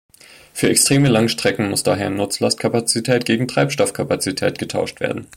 Für extreme Langstrecken muss daher Nutzlastkapazität gegen Treibstoffkapazität getauscht werden.